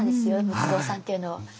仏像さんていうのは。